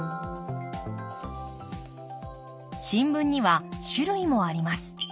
新聞には種類もあります。